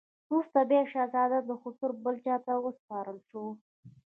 وروسته بیا شهزاده خسرو بل چا ته وسپارل شو.